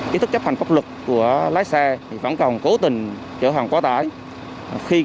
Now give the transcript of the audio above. chỉ tính từ đầu năm hai nghìn hai mươi hai đến nay